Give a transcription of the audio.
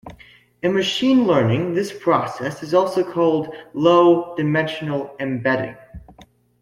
In machine learning this process is also called low-dimensional embedding.